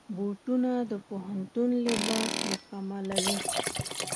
بوټونه د پوهنتون لباس مکملوي.